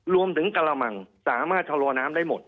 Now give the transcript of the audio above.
รวมถึงกะละมังสามารถชะลอวน้ำได้หมด